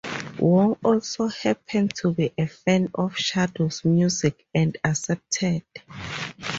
Wong also happened to be a fan of Shadow's music and accepted.